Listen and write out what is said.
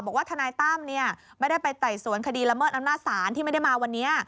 บอกว่าธนายตั้มเนี่ยไม่ได้ไปไต่สวนคดีละเมิดน้ำหน้าศาลที่ไม่ได้มาวันนี้